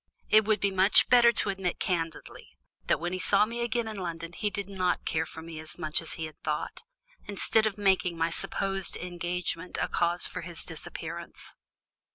It would be much better to admit candidly that when he saw me again in London he did not care for me as much as he had thought, instead of making my supposed engagement an excuse for his disappearance."